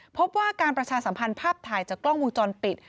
พบว่าการประชาสัมพันธ์ภาพถ่ายจากกล้องวงจรปิด